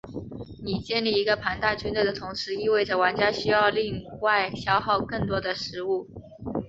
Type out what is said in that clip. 你建立一个庞大军队的同时意味着玩家需要另外消耗更多的食物。